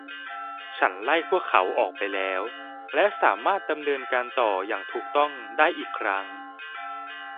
ฉันไล่พวกเขาออกไปแล้วและสามารถดำเนินการต่ออย่างถูกต้องได้อีกครั้ง